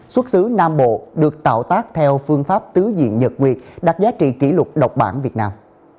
xuất xứ nam bộ được tạo tác theo phương pháp tứ diện nhật nguyệt đặt giá trị kỷ lục độc bản việt nam